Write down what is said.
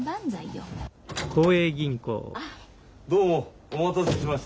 どうもお待たせしまして。